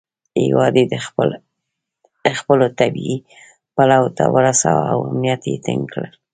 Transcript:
هیواد یې خپلو طبیعي پولو ته ورساوه او امنیت یې ټینګ کړ.